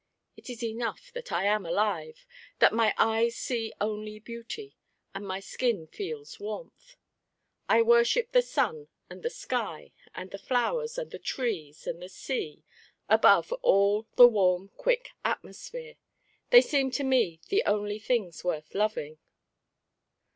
It is enough that I am alive, that my eyes see only beauty, and my skin feels warmth. I worship the sun and the sky and the flowers and the trees and the sea, above all the warm quick atmosphere. They seem to me the only things worth loving."